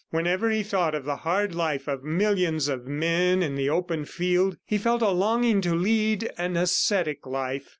Whenever he thought of the hard life of millions of men in the open field, he felt a longing to lead an ascetic life.